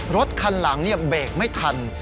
รถคันหลังเนี่ยเบกไม่ทัน